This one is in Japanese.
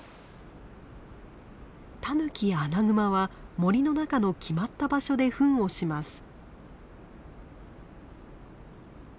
タヌキやアナグマは森の中の決まった場所でフンをします。